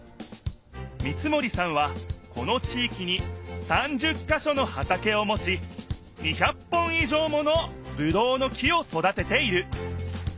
三森さんはこの地いきに３０かしょの畑をもち２００本い上ものぶどうの木を育てている。